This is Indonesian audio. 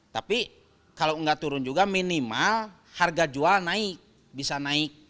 tapi kalau nggak turun juga minimal harga jual naik bisa naik